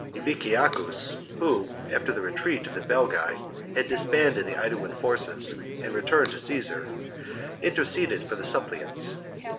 14. Diviciacus, who, after the retreat of the Belgae, had disbanded the Aeduan forces and returned to Caesar, interceded for the suppliants.